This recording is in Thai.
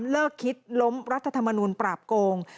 เลิกคิดล้มรัฐธรรมนูลปราบโกง